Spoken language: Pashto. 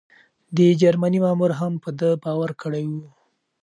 د جرمني مامور هم په ده باور کړی و.